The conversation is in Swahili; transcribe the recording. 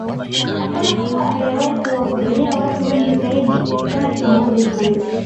Hakuna Papa aliyewahi kuwahubiria watu wengi zaidi kama kiongozi huyo